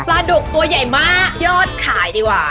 ดุกตัวใหญ่มากยอดขายดีกว่า